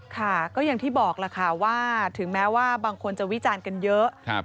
ค่ะก็อย่างที่บอกล่ะค่ะว่าถึงแม้ว่าบางคนจะวิจารณ์กันเยอะ